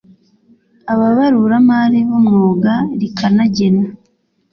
Ababaruramari b Umwuga rikanagena